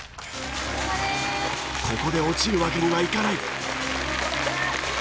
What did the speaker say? ここで落ちるわけにはいかない。